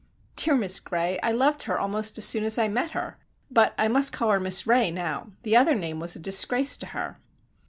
"Dear Miss Gray, I loved her almost as soon as I met her, but I must call her Miss Ray now—the other name was a disgrace to her."